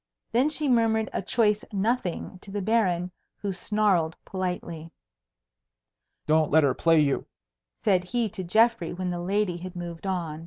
Then she murmured a choice nothing to the Baron, who snarled politely. "Don't let her play you," said he to Geoffrey when the lady had moved on.